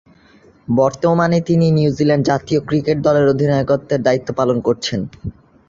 বর্তমানে তিনি নিউজিল্যান্ড জাতীয় ক্রিকেট দলের অধিনায়কের দায়িত্ব পালন করছেন।